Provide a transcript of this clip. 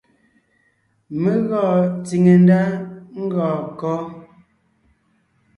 Mé gɔɔn tsìŋe ndá ngɔɔn kɔ́?